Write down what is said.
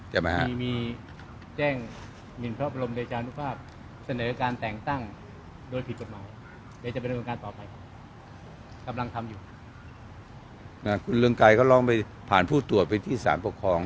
คุณเงินไกลเขาลองไปผ่านผู้ตรวจไปที่สารปกครอง